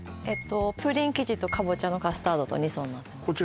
プリン生地とカボチャのカスタードと２層になってます